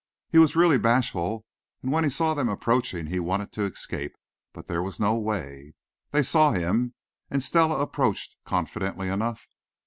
He was really bashful; and when he saw them approaching he wanted to escape, but there was no way. They saw him, and Stella approached confidently enough.